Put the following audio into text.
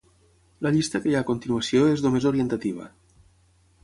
La llista que hi ha a continuació és només orientativa.